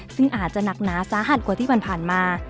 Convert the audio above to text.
ซึ่งอาจจะหนักหนาสาหัสกว่าที่ผ่านมา